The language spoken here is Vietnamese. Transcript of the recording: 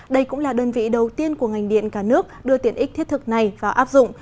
đây cũng là đơn vị đầu tiên của ngành điện cả nước đưa tiện ích thiết thực này vào áp dụng